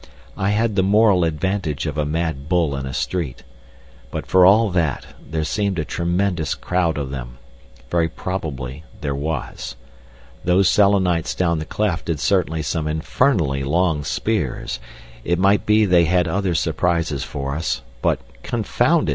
I had the moral advantage of a mad bull in a street. But for all that, there seemed a tremendous crowd of them. Very probably there was. Those Selenites down the cleft had certainly some infernally long spears. It might be they had other surprises for us.... But, confound it!